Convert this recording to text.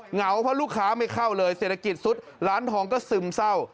เหงาเพราะลูกค้าไม่เข้าเลยเศรษฐกิจสุดร้านทองก็ซึมเศร้า